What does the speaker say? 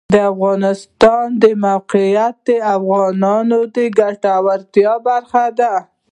د افغانستان د موقعیت د افغانانو د ګټورتیا برخه ده.